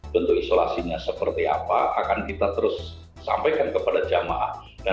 bentuk isolasinya seperti apa akan kita terus sampaikan kepada jamaah